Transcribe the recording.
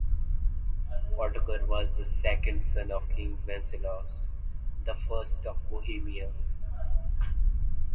Ottokar was the second son of King Wenceslaus the First of Bohemia.